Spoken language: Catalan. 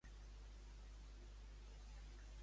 En quins llocs s'han pogut contemplar les seves composicions?